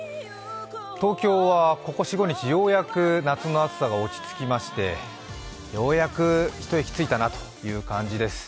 東京はここ４５日、ようやく夏の暑さが落ち着きまして、ようやく一息ついたなという感じです。